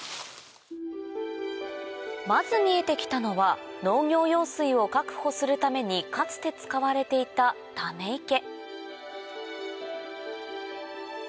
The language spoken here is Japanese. まず見えてきたのは農業用水を確保するためにかつて使われていたため池